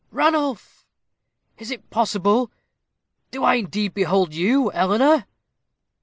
"Ranulph!" "Is it possible? Do I indeed behold you, Eleanor?"